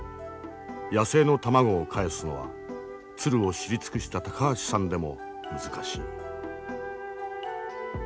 野生の卵をかえすのは鶴を知り尽くした高橋さんでも難しい。